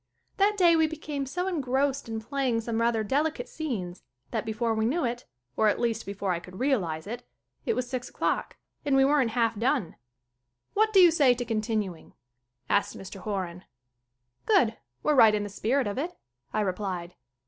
That day we became so engrossed in playing some rather delicate scenes that before we knew it or at least before I could realize it it was six o'clock, and we weren't half done. "What do you say to continuing?" asked Mr. Horan. "Good; we're right in the spirit of it," I replied.